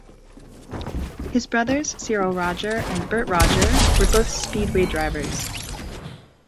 His brothers Cyril Roger and Bert Roger were both speedway riders.